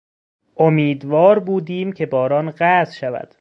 امیدوار بودیم که باران قطع شود.